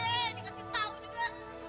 eh dikasih tahu juga